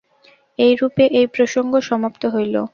এইরূপে এই প্রসঙ্গ সমাপ্ত হইল।